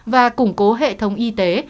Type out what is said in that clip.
và củng cố hệ thống y tế